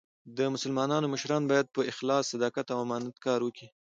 د مسلمانانو مشران باید په اخلاص، صداقت او امانت کار وکي.